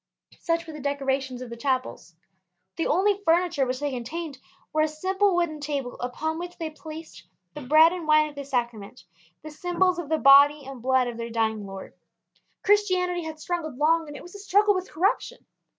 Such were the decorations of the chapels. The only furniture which they contained was a simple wooden table upon which they placed the bread and wine of the sacrament, the symbols of the body and blood of their dying Lord. Christianity had struggled long, and it was a struggle with corruption.